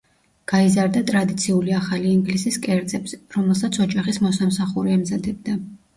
გაიზარდა ტრადიციული ახალი ინგლისის კერძებზე, რომელსაც ოჯახის მოსამსახურე ამზადებდა.